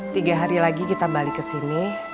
tiga hari lagi kita balik kesini